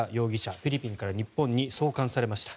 フィリピンから日本に送還されました。